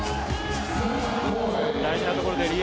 大事なところでリ